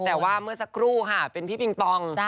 แต่ว่าเมื่อสักครู่ค่ะเป็นพี่ปิงปอง